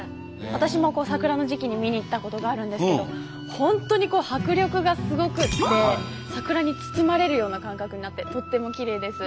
私も桜の時期に見に行ったことがあるんですけど本当に迫力がすごくて桜に包まれるような感覚になってとってもきれいです。